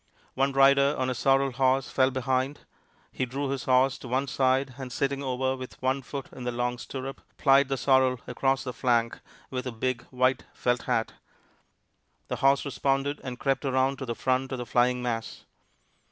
One rider on a sorrel horse fell behind. He drew his horse to one side, and sitting over with one foot in the long stirrup, plied the sorrel across the flank with a big, white felt hat. The horse responded, and crept around to the front of the flying mass.